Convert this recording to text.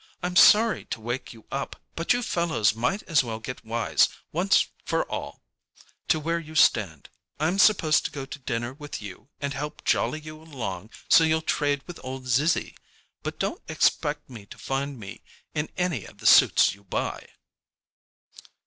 "I'm sorry to wake you up, but you fellows might as well get wise, once for all, to where you stand. I'm supposed to go to dinner with you and help jolly you along so you'll trade with old Zizzy, but don't expect to find me in any of the suits you buy."